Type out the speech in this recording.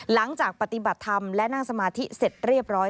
หลังจากปฏิบัติธรรมและนั่งสมาธิเสร็จเรียบร้อย